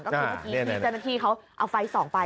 ก็คือพวกพี่เจ้าหน้าที่เขาเอาไฟ๒ไป